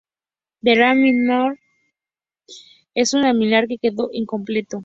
El Alai Minar es un alminar que quedó incompleto.